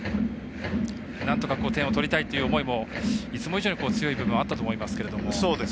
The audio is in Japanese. なんとか点を取りたいという思いもいつも以上に強い部分あったと思いますけれども。